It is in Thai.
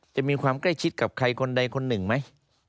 จะมีความใกล้ชิดกับใครคนใดคนหนึ่งไหม